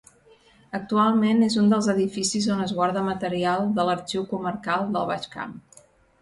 Actualment és un dels edificis on es guarda material de l'Arxiu Comarcal del Baix Camp.